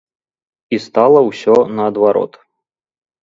І стала ўсё наадварот.